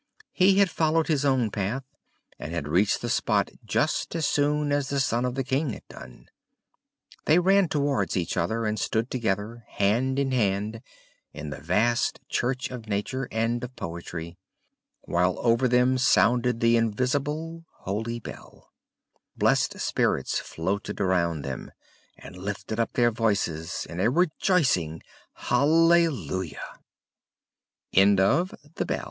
He had followed his own path, and had reached the spot just as soon as the son of the king had done. They ran towards each other, and stood together hand in hand in the vast church of nature and of poetry, while over them sounded the invisible holy bell: blessed spirits floated around them, and lifted up their voices in a rejoicing hallelujah! THE OLD HOUSE I